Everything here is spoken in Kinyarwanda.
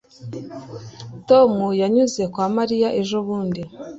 tom yanyuze kwa mariya ejobundi